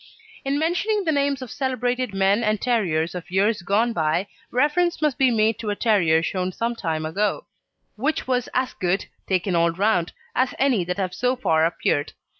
In mentioning the names of celebrated men and terriers of years gone by, reference must be made to a terrier shown some time ago, which was as good, taken all round, as any that have so far appeared.